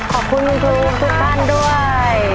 ขอบคุณคุณครูคุณท่านด้วย